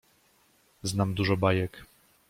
Znam dużo bajek.